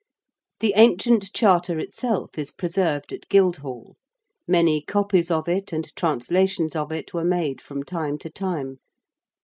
The ancient Charter itself is preserved at Guildhall. Many copies of it and translations of it were made from time to time.